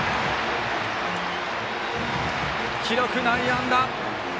記録、内野安打！